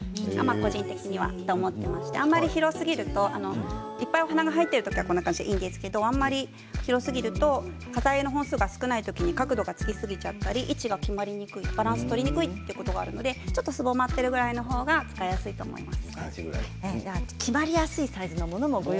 個人的に思っていてあまり広すぎるといっぱいお花が入ってる時はいいんですが、広すぎると花材の本数が少ない時に角度がつきすぎちゃったり位置が決まりにくいバランスが取りにくいことがあるのですぼまってるぐらいの方が早速作っていこうと思います。